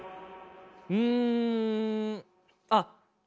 うんあっ